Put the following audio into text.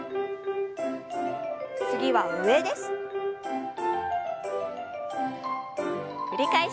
次は上です。